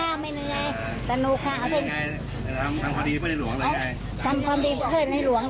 ทำความดีเพื่อในหลวงค่ะ